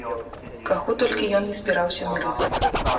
Каго толькі ён ні збіраўся мірыць.